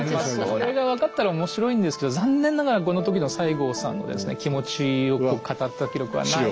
それが分かったら面白いんですけど残念ながらこの時の西郷さんの気持ちを語った記録はないんですね。